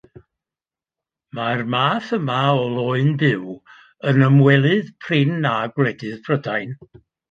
Mae'r math yma o löyn byw yn ymwelydd prin â gwledydd Prydain.